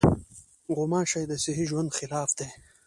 غوماشې د صحي ژوند خلاف دي.